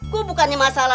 gua bukannya masalahnya lah